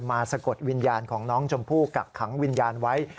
สะกดวิญญาณของน้องชมพู่กักขังวิญญาณไว้